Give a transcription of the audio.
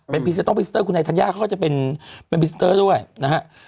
เป็นพิสิทธิ์ต้องพิสิทธิ์เตอร์คุณธัญญาเขาก็จะเป็นพิสิทธิ์เตอร์ด้วยนะฮะ